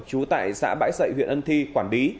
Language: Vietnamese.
trú tại xã bãi dậy huyện ân thi quản lý